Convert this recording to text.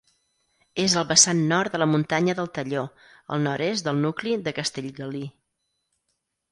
És al vessant nord de la muntanya del Talló, al nord-est del nucli de Castellgalí.